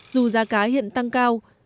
dù giá cá hiện tăng cao